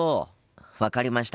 分かりました。